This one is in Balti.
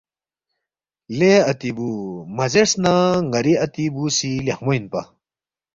”لے اتی بُو مہ زیرس نہ ن٘ری اتی بُو سی لیخمو اِنپا